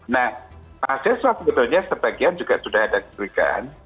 nah mahasiswa sebetulnya sebagian juga sudah ada diberikan